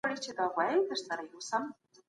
د دلارام خلکو په خپلي ولسوالۍ کي پلونه جوړ کړي دي.